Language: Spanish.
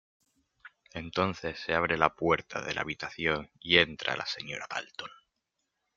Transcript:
Entonces se abre la puerta de la habitación y entra la señora Dalton.